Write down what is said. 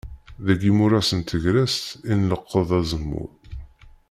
Deg yimuras n tegrest i nleqqeḍ azemmur.